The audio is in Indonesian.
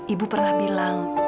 ibu pernah bilang